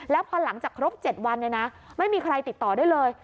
แล้วพอหลังจากครบ๗วันไม่มีใครติดต่อได้เลย